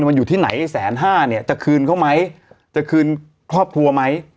มันอยู่ที่ไหนแสนห้าเนี่ยจะคืนเขาไหมจะคืนครอบครัวไหม